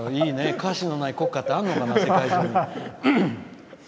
歌詞のない国歌ってあるのかな。